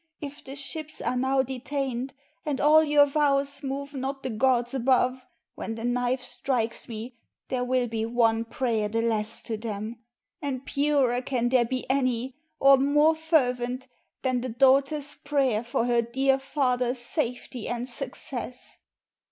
if the ships are now detained, And all your vows move not the gods above, When the knife strikes me there will be one prayer The less to them; and purer can there be Any, or more fervent, than the daughter's prayer For her dear father's safety and success?"